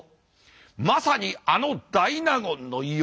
まさにあの大納言の頼盛。